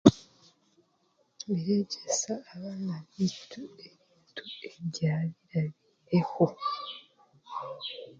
Tureegyesa abaana baitu ebintu ebyabaireho